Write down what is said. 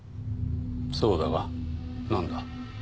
そうだがなんだ？